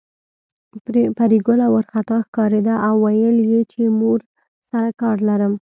پري ګله وارخطا ښکارېده او ويل يې چې مور سره کار لرم